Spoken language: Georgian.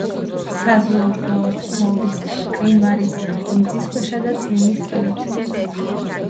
საზრდოობს თოვლის, მყინვარის, მიწისქვეშა და წვიმის წყლით.